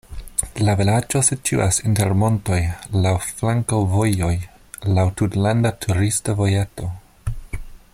La vilaĝo situas inter montoj, laŭ flankovojoj, laŭ tutlanda turista vojeto.